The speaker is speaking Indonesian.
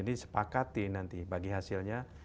disepakati nanti bagi hasilnya